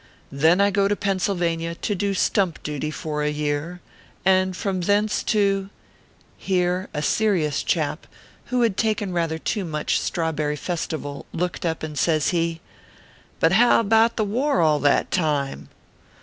Then I go to Pennsylvania to do stump duty for a year ; and from thence, to " Here a serious chap, who had taken rather too much Strawberry Festival, looked up, and says he :" But how about the war all that time